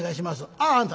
「あああんた。